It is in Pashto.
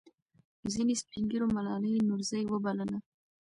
ځینې سپین ږیرو ملالۍ نورزۍ وبلله.